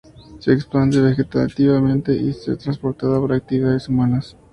Se expande vegetativamente, y ser transportada por actividades humanas.